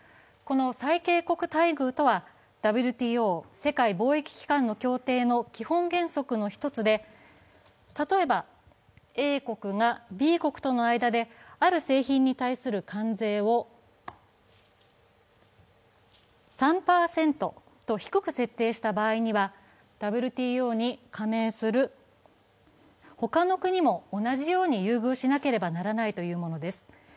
この最恵国待遇とは、ＷＴＯ＝世界貿易機関の協定の基本原則の一つで例えば、Ａ国がＢ国との間である製品に対する関税を３％と低く設定した場合にはＷＴＯに加盟する他の国も同じように優遇しなければならないというものです。